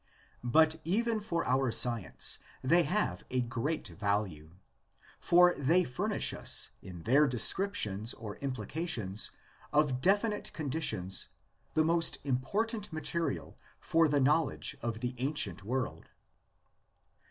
But even for our science they have a great value, for they furnish us in their descriptions or implications of definite conditions the most important material for the knowledge of the ancient world.